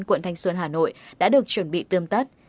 quận thanh xuân hà nội đã được chuẩn bị tươm tắt